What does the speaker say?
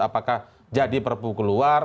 apakah jadi perpukuluar